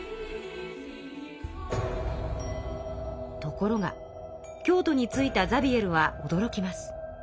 ところが京都に着いたザビエルはおどろきます。